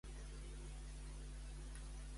Turquia és un estat continental d'Euràsia.